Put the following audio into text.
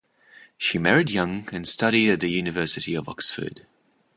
She married young and studied at the University of Oxford.